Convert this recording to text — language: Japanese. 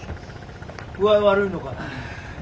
具合悪いのかい？